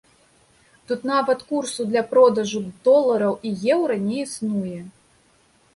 Тут нават курсу для продажу долараў і еўра не існуе.